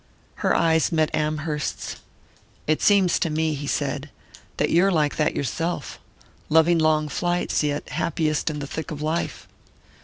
Her eyes met Amherst's. "It seems to me," he said, "that you're like that yourself loving long flights, yet happiest in the thick of life."